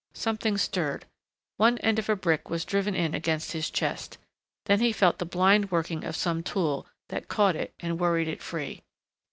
Something stirred. One end of a brick was driven in against his chest. Then he felt the blind working of some tool that caught it and worried it free.